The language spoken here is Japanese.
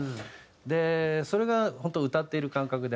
でそれが本当歌っている感覚であって。